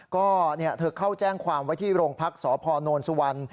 ก็เธอเข้าแจ้งความไว้ที่โรงพักษพนสุวรรณ